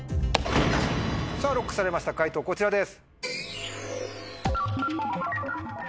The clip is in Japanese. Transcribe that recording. さぁＬＯＣＫされました解答こちらです。